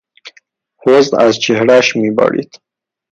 حزن از چهرهاش میبارید.